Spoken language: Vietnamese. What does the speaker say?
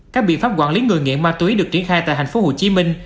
các biện pháp quản lý người nghiện ma túy được triển khai tại tp hcm